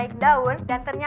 ke inti gue kan hal yang beda